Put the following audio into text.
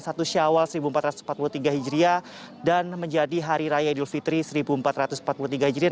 satu syawal seribu empat ratus empat puluh tiga hijriah dan menjadi hari raya idul fitri seribu empat ratus empat puluh tiga hijriah